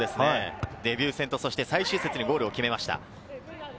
デビュー戦と最終節にゴールを決めました。